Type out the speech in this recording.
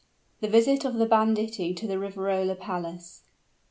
THE VISIT OF THE BANDITTI TO THE RIVEROLA PALACE.